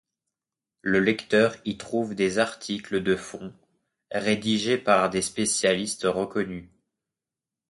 Le lecteur y trouve des articles de fond, rédigés par des spécialistes reconnus.